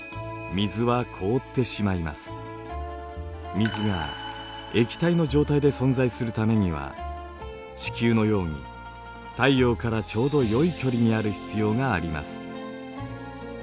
水が液体の状態で存在するためには地球のように太陽からちょうどよい距離にある必要があります。